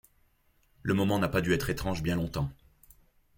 Le moment n’a pas dû être étrange bien longtemps.